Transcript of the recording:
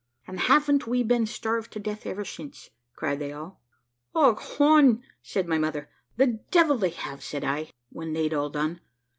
`And haven't we been starved to death ever since?' cried they all. `Och hone!' said my mother. `The devil they have!' said I, when they'd all done.